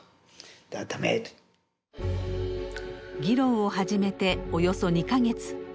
議論を始めておよそ２か月。